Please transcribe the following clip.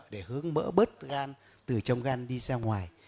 để hướng mỡ bớt gan từ trong gan đi ra ngoài